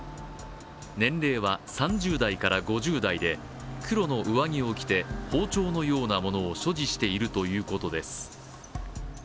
年齢は３０代から５０代で、黒の上着を着て、包丁のようなものを所持しているということです。